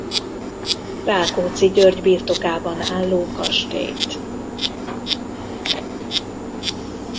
Rákóczi György birtokában álló kastélyt.